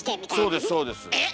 そうですそうです。えっ？